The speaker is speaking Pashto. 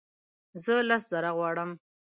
زه لس زره غواړم